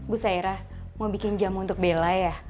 bu saira mau bikin jamu untuk bella ya